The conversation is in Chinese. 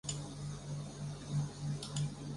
又称为同侪互评或同行评量。